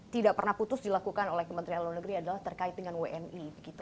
tidak pernah putus dilakukan oleh kementerian luar negeri adalah terkait dengan wni